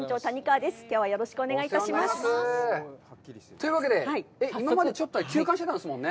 というわけで、今まで休館してたんですもんね。